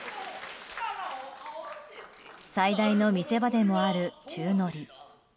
最大の見せ場でもある宙乗り。